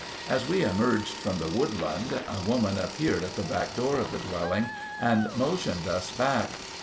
As we emerged from the woodland a woman appeared at the back door of the dwelling and motioned us back.